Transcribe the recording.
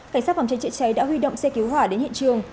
cảnh sát phòng chế triện cháy đã huy động xe cứu hỏa đến hiện trường